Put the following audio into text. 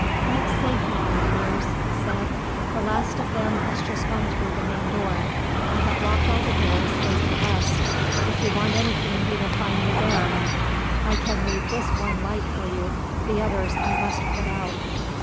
"Quite safe now, mynheers," he said, "the last of them has just gone through the main door. I have locked all the doors save the West. If you want anything you will find me there. I can leave this one light for you, the others I must put out."